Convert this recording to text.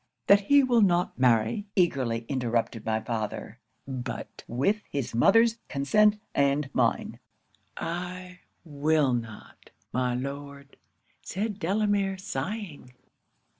'"That he will not marry," eagerly interrupted my father, "but with his mother's consent and mine." '"I will not, my Lord," said Delamere, sighing.